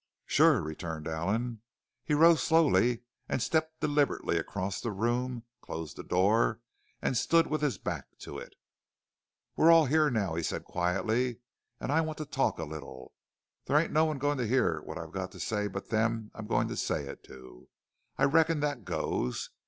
"Sure," returned Allen. He rose slowly, stepped deliberately across the room, closed the door, and stood with his back to it. "We're all here now," he said quietly, "and I want to talk a little. There ain't no one going to hear what I've got to say but them I'm going to say it to. I reckon that goes?"